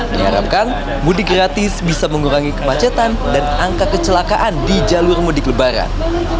diharapkan mudik gratis bisa mengurangi kemacetan dan angka kecelakaan di jalur mudik lebaran